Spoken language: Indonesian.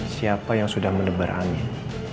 siapa yang sudah menebar angin